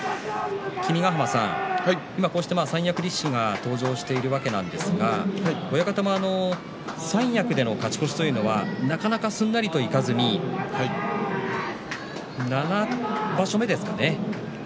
君ヶ濱さん、こうして三役力士が登場しているわけですが親方も三役での勝ち越しというのはなかなか、すんなりといかずに７場所目ですかね。